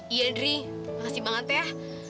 iya dri makasih banget ya